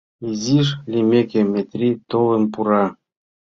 Изиш лиймеке, Метри толын пура.